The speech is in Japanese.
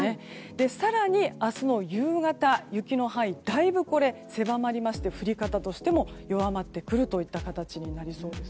更に明日の夕方、雪の範囲だいぶ狭まりまして降り方としても弱まってくる形になりそうです。